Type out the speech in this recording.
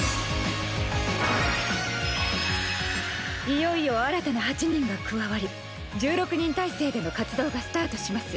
いよいよ新たな８人が加わり１６人体制での活動がスタートします。